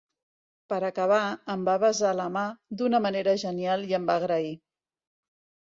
Per acabar, em va besar la mà d'una manera genial i em va agrair.